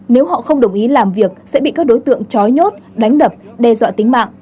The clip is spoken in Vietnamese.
nếu họ không đồng ý làm việc sẽ bị các đối tượng trói nhốt đánh đập đe dọa tính mạng